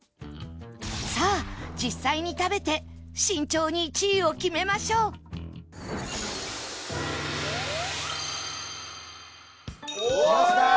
さあ実際に食べて慎重に１位を決めましょうきました！